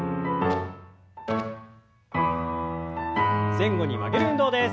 前後に曲げる運動です。